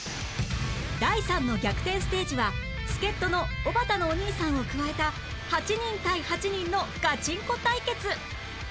第３の逆転ステージは助っ人のおばたのお兄さんを加えた８人対８人のガチンコ対決